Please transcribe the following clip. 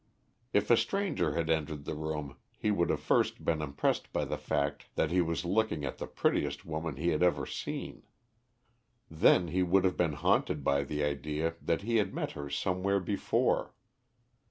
If a stranger had entered the room he would first have been impressed by the fact that he was looking at the prettiest woman he had ever seen; then he would have been haunted by the idea that he had met her somewhere before.